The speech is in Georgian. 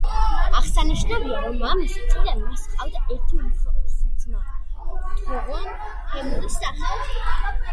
აღსანიშნავია, რომ მამის მხრიდან მას ჰყავდა ერთი უფროსი ძმა, თოღონ თემურის სახით.